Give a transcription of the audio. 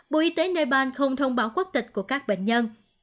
bộ y tế nepal không thông báo quốc tịch của các bệnh nhân